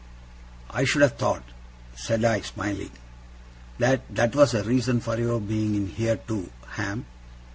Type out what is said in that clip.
'I should have thought,' said I, smiling, 'that that was a reason for your being in here too, Ham.